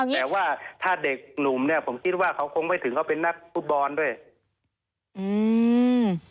แต่ว่าถ้าเด็กหนุ่มเนี้ยผมคิดว่าเขาคงไม่ถึงเขาเป็นนักฟุตบอลด้วยอืม